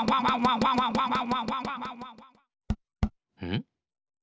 ん？